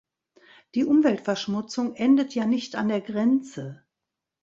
Die Umweltverschmutzung endet ja nicht an der Grenze.